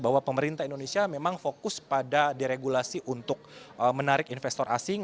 bahwa pemerintah indonesia memang fokus pada deregulasi untuk menarik investor asing